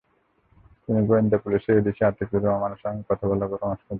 তিনি গোয়েন্দা পুলিশের এডিসি আতিকুর রহমানের সঙ্গে কথা বলার পরামর্শ দেন।